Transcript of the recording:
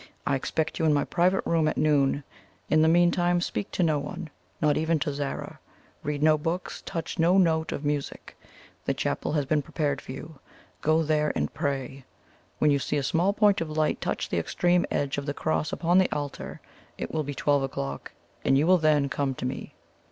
I expect you in my private room at noon. In the meantime speak to no one not even to Zara; read no books; touch no note of music. The chapel has been prepared for you; go there and pray. When you see a small point of light touch the extreme edge of the cross upon the altar, it will be twelve o'clock, and you will then come to me."